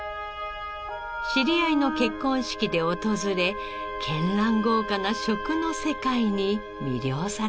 知り合いの結婚式で訪れ絢爛豪華な食の世界に魅了されたのです。